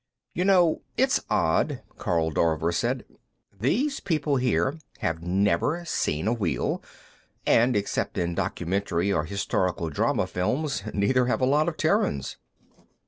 "You know, it's odd," Karl Dorver said. "These people here have never seen a wheel, and, except in documentary or historical drama films, neither have a lot of Terrans."